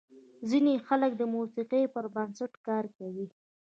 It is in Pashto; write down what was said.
ځینې خلک د موسیقۍ پر بنسټ کار کوي.